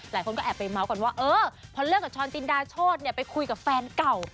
หลายคนก็แอบไปเมาส์กันว่าเออพอเลิกกับช้อนจินดาโชธไปคุยกับแฟนเก่า